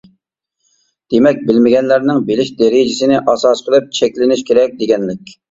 دېمەك، بىلمىگەنلەرنىڭ بىلىش دەرىجىسىنى ئاساس قىلىپ چەكلىنىش كېرەك دېگەنلىك.